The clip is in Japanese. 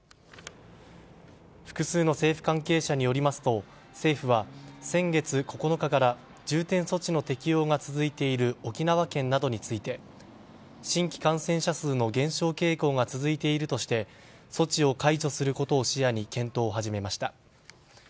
複数の政府関係者によりますと政府は先月９日から重点措置の適用が続いている沖縄県などについて新規感染者数の減少傾向が続いているとして措置を解除することを視野に検討を始めました。